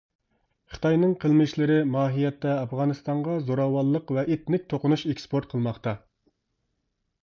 خىتاينىڭ قىلمىشلىرى ماھىيەتتە ئافغانىستانغا زوراۋانلىق ۋە ئېتنىك توقۇنۇش ئېكسپورت قىلماقتا.